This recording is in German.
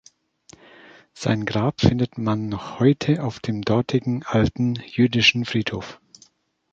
Sein Grab findet man noch heute auf dem dortigen Alten Jüdischen Friedhof.